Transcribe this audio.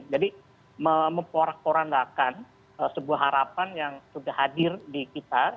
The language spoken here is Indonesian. memporak porandakan sebuah harapan yang sudah hadir di kita